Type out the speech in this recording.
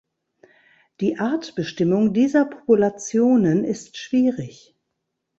Die Artbestimmung dieser Populationen ist schwierig.